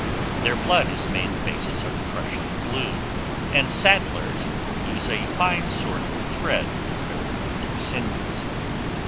Their blood is made the basis of Prussian blue, and saddlers use a fine sort of thread prepared from their sinews.